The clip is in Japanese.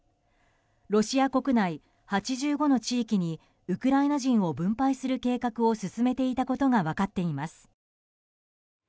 ロシア国内８５の地域にウクライナ人を分配する計画を進めていたことが分かっています。